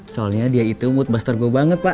soalnya dia itu woodbuster gue banget pak